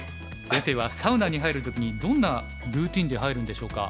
先生はサウナに入る時にどんなルーティンで入るんでしょうか。